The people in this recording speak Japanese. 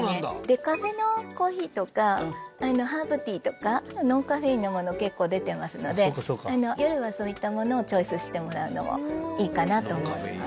デカフェのコーヒーとかハーブティーとかノンカフェインのもの結構出てますので夜はそういったものをチョイスしてもらうのもいいかなと思います